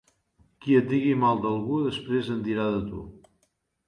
Qui et digui mal d'algú després en dirà de tu.